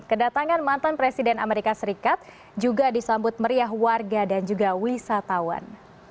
kedatangan mantan presiden amerika serikat juga disambut meriah warga dan juga wisatawan